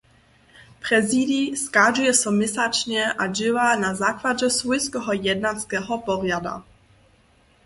Prezidij schadźuje so měsačnje a dźěła na zakładźe swójskeho jednanskeho porjada.